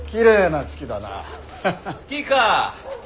月か。